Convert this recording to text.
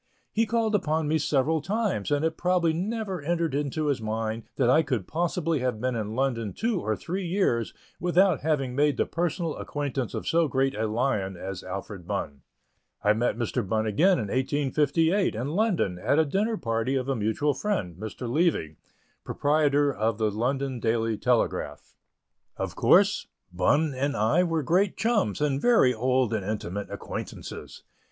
He called upon me several times, and it probably never entered into his mind that I could possibly have been in London two or three years without having made the personal acquaintance of so great a lion as Alfred Bunn. I met Mr. Bunn again in 1858, in London, at a dinner party of a mutual friend, Mr. Levy, proprietor of the London Daily Telegraph. Of course, Bunn and I were great chums and very old and intimate acquaintances.